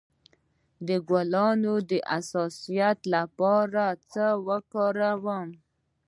د ګلانو د حساسیت لپاره باید څه وکاروم؟